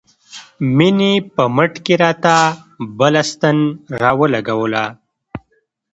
مينې په مټ کښې راته بله ستن راولګوله.